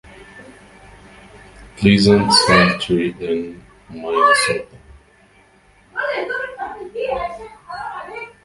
Pleasant Cemetery in Minnesota.